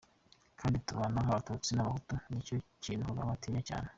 Kandi kubana kw’abatutsi n’abahutu, nicyo kintu Kagame atinya cyane.